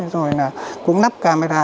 rồi cũng nắp camera